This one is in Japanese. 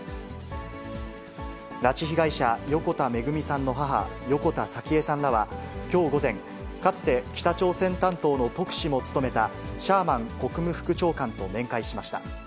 拉致被害者、横田めぐみさんの母、横田早紀江さんらはきょう午前、かつて北朝鮮担当の特使も務めたシャーマン国務副長官と面会しました。